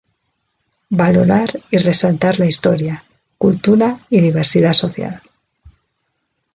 Valorar y resaltar la historia, cultura y diversidad social.